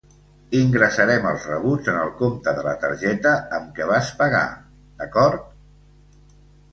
Ingressarem els rebuts en el compte de la targeta amb què vas pagar, d'acord?